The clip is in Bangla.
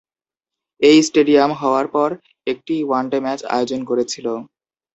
এই স্টেডিয়াম হওয়ার পর একটিই ওয়ান ডে ম্যাচ আয়োজন করেছিল।